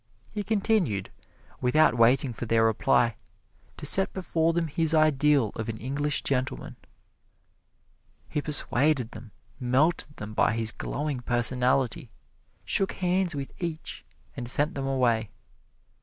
He continued, without waiting for their reply, to set before them his ideal of an English Gentleman. He persuaded them, melted them by his glowing personality, shook hands with each, and sent them away.